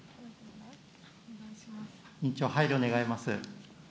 委員長、配慮願います。